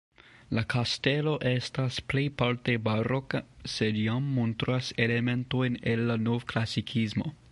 La kastelo estas plejparte baroka, sed jam montras elementojn el la novklasikismo.